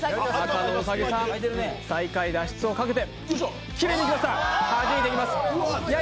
兎さん、最下位脱出をかけてきれいにはじいていきます。